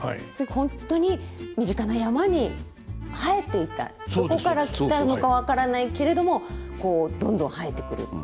本当に身近な山に生えていたどこから来たのか分からないけれどもどんどん生えてくる。